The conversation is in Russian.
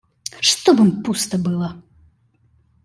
Чтоб им пусто было!